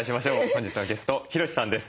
本日のゲストヒロシさんです。